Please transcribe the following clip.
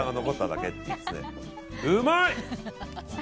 うまい！